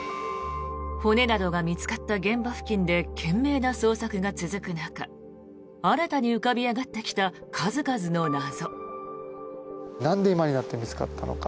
骨などが見つかった現場付近で懸命な捜索が続く中新たに浮かび上がってきた数々の謎。